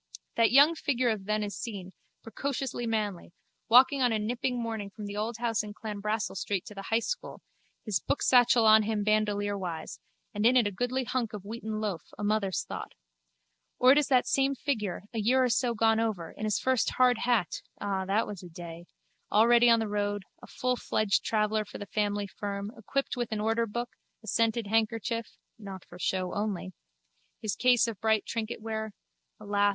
That young figure of then is seen, precociously manly, walking on a nipping morning from the old house in Clanbrassil street to the high school, his booksatchel on him bandolierwise, and in it a goodly hunk of wheaten loaf, a mother's thought. Or it is the same figure, a year or so gone over, in his first hard hat (ah, that was a day!), already on the road, a fullfledged traveller for the family firm, equipped with an orderbook, a scented handkerchief (not for show only), his case of bright trinketware (alas!